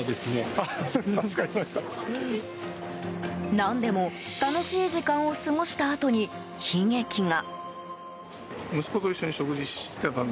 何でも、楽しい時間を過ごしたあとに悲劇が。